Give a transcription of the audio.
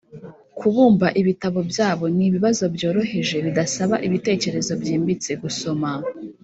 kubumba ibitabo byabo. Ni ibibazo byoroheje bidasaba ibitekerezo byimbitse. Gusoma